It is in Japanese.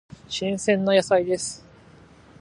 新鮮な野菜です。